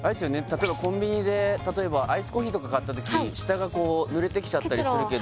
例えばコンビニでアイスコーヒーとか買った時下が濡れてきちゃったりするけど・